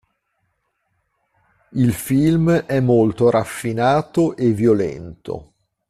Il film è molto raffinato e violento.